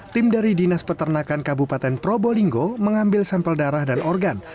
tim dari dinas peternakan kabupaten probolinggo mengambil sampel darah dan organ